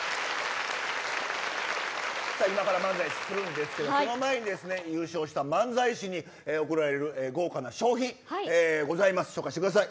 今から漫才するんですけどその前に優勝した漫才師に贈られる豪華な賞品ございます紹介してください。